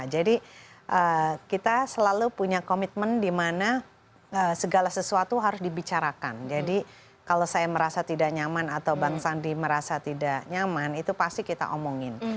jadi kita selalu punya komitmen di mana segala sesuatu harus dibicarakan jadi kalau saya merasa tidak nyaman atau bang sandi merasa tidak nyaman itu pasti kita omongin